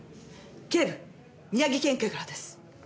警部宮城県警からです。